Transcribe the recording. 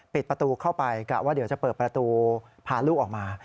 ประตูเข้าไปกะว่าเดี๋ยวจะเปิดประตูพาลูกออกมา